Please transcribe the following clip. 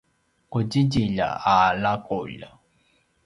qudjidjilj a laqulj